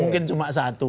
mungkin cuma satu